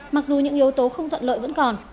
mặc dù những yếu tố không thuận lợi vẫn còn